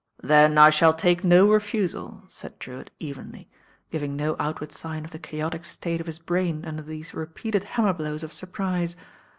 "Then I shall take no refusal," said Drewitt evenly, giving no outward sign of the chaotic state of his bram under these repeated hammer blows of surprise.